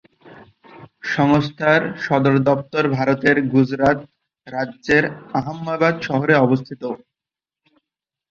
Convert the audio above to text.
সংস্থার সদর দফতর ভারতের গুজরাত রাজ্যের আহমেদাবাদ শহরে অবস্থিত।